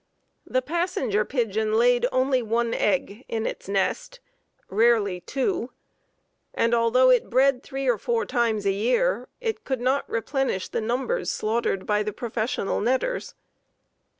The Passenger Pigeon laid only one egg in its nest, rarely two, and although it bred three or four times a year it could not replenish the numbers slaughtered by the professional netters.